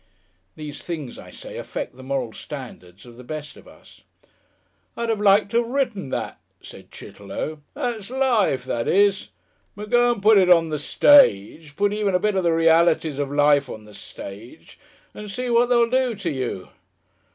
(These things, I say, affect the moral standards of the best of us.) "I'd have liked to have written that," said Chitterlow. "That's Life, that is! But go and put it on the Stage, put even a bit of the Realities of Life on the Stage, and see what they'll do to you!